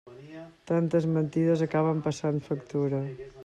Tantes mentides acaben passant factura.